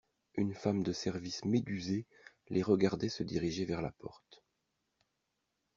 Une femme de service médusée les regardait se diriger vers la porte.